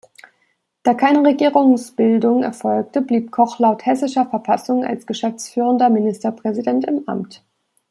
Da keine Regierungsbildung erfolgte, blieb Koch laut Hessischer Verfassung als geschäftsführender Ministerpräsident im Amt.